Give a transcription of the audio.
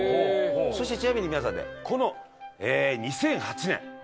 そしてちなみに皆さんねこの２００８年。